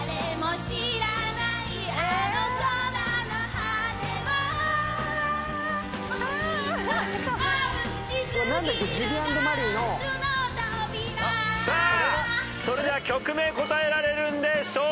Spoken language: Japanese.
さあそれでは曲名答えられるんでしょうか？